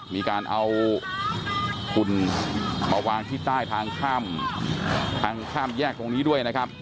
มีการเอาขุนมาวางที่ใต้ทางค่ามแยกตรงนี้ด้วย